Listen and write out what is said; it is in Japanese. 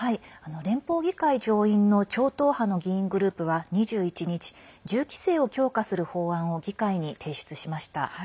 連邦議会上院の超党派の議員グループは２１日、銃規制を強化する法案を議会に提出しました。